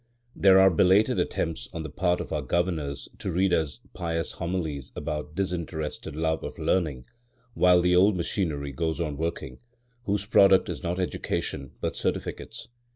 There are belated attempts on the part of our governors to read us pious homilies about disinterested love of learning, while the old machinery goes on working, whose product is not education but certificates.